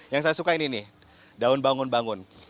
yang saya suka ini nih daun bangun